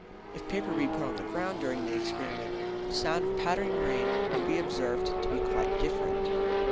If paper be put on the ground during the experiment, the sound of pattering will be observed to be quite different.